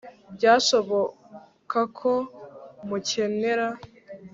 byashoboka ko mukenera